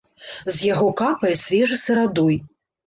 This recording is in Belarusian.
З яго капае свежы сырадой.